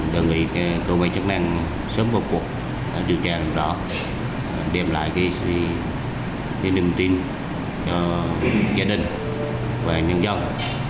đồng ý cơ quan chức năng sớm vô cuộc điều tra rõ đem lại cái niềm tin cho gia đình và nhân dân